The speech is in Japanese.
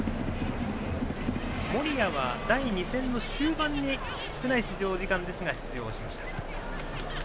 守屋は第２戦の終盤に少ない出場時間ですが出場をしました。